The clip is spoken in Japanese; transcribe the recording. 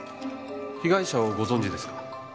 被害者をご存じですか？